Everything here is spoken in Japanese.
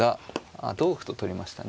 あっ同歩と取りましたね。